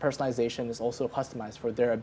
personalisasi ini juga menjadi pertanyaan